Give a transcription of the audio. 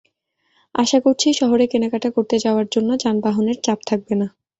আশা করছি, শহরে কেনাকাটা করতে যাওয়ার জন্য যানবাহনের চাপ থাকবে না।